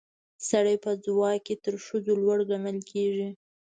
سړي په ځواک کې تر ښځو لوړ ګڼل کیږي